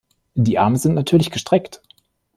Die Arme sind natürlich gestreckt.